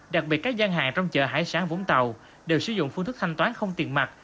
đặc biệt các gian hàng trong chợ hải sản vũng tàu đều sử dụng phương thức thanh toán không tiền mặt